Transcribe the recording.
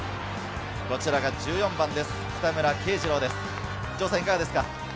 こちらが１４番です、北村圭司朗です。